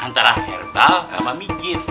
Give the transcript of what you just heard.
antara herbal sama pijit